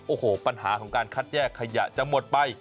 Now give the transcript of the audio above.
โอ้โหปัญหาของการคัดแยกขยะจะหมดไป